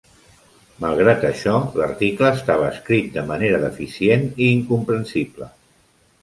Malgrat això, l'article estava escrit de manera deficient i incomprensible.